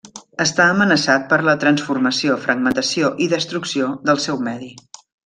Està amenaçat per la transformació, fragmentació i destrucció del seu medi.